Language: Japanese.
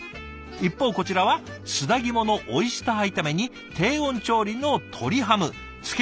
一方こちらは砂肝のオイスター炒めに低温調理の鶏ハム漬物に煮浸し。